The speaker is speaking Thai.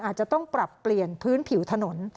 อาจจะต้องปรับเปลี่ยนพื้นผิวถนน